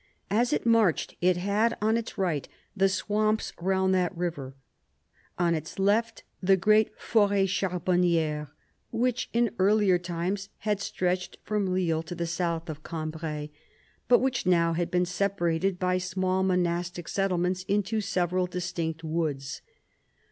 As it marched, it had on its right the swamps round that river, on its left the great Foret charbon nikre, which in earlier times had stretched from Lille to south of Cambrai, but which now had been separated by small monastic settlements into several distinct woods.